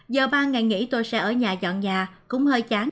giờ ba ngày nghỉ tôi sẽ ở nhà dọn nhà cũng hơi chán